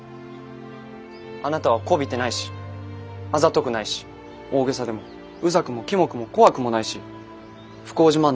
あなたはこびてないしあざとくないし大げさでもうざくもキモくも怖くもないし不幸自慢なんかしていません。